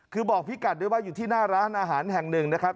คือบอกพี่กัดด้วยว่าอยู่ที่หน้าร้านอาหารแห่งหนึ่งนะครับ